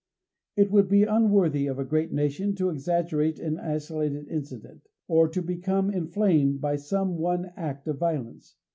It would be unworthy of a great nation to exaggerate an isolated incident, or to become inflamed by some one act of violence.